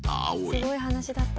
すごい話だった。